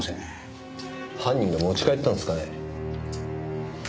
犯人が持ち帰ったんすかね？